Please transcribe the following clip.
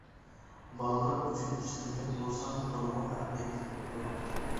بالىلار ئۈچۈن ئىشلەنگەن بۇ سان تولىمۇ ئەھمىيەتلىك بوپتۇ.